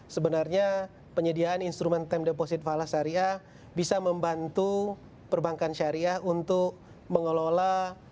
sebenarnya penyediaan instrumen time deposit fala syariah bisa membantu perbankan syariah untuk mengelola